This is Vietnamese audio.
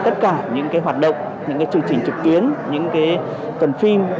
tất cả những hoạt động những chương trình trực tuyến những phần phim